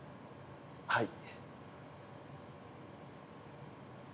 はい。